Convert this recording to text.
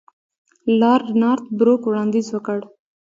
لارډ نارت بروک وړاندیز وکړ.